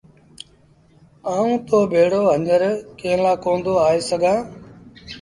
آئوٚنٚ تو ڀيڙو هڃر ڪݩهݩ لآ ڪوندو آئي سگھآݩٚ؟